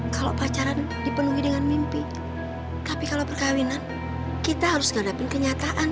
kalau pacaran dipenuhi dengan mimpi tapi kalau perkawinan kita harus ngadapin kenyataan